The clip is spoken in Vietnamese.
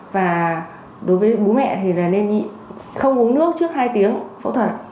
và đối với bú mẹ thì nên nhị không uống nước trước hai tiếng phẫu thuật